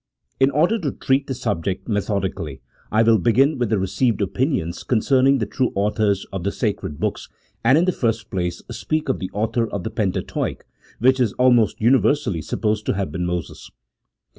In order to treat the subject methodically, I will begin with the received opinions concerning the true authors of the sacred books, and in the first place, speak of the author of the Pentateuch, who is almost universally supposed to have been Moses.